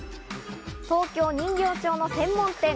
東京・人形町の専門店。